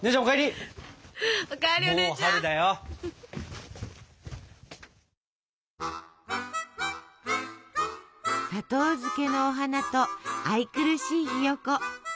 砂糖漬けのお花と愛くるしいヒヨコ。